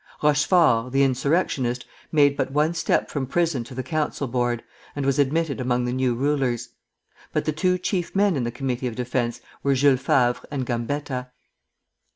Rochefort, the insurrectionist, made but one step from prison to the council board, and was admitted among the new rulers. But the two chief men in the Committee of Defence were Jules Favre and Gambetta.